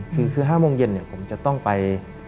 คือห้าโมงเย็นเนี่ยผมจะต้องไป